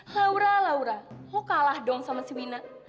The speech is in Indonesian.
laura laura lo kalah dong sama si wina